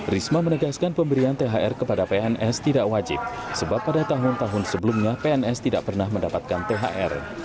risma menegaskan pemberian thr kepada pns tidak wajib sebab pada tahun tahun sebelumnya pns tidak pernah mendapatkan thr